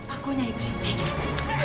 aku nyai berintik